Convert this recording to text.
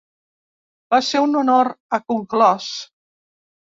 Va ser un honor, ha conclòs.